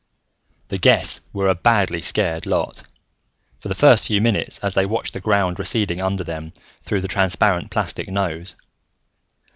The guests were a badly scared lot, for the first few minutes, as they watched the ground receding under them through the transparent plastic nose.